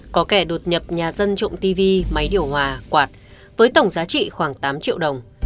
có kẻ đột nhập nhà dân trộm tv máy điều hòa quạt với tổng giá trị khoảng tám triệu đồng